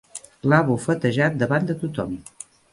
L'ha bufetejat davant de tothom.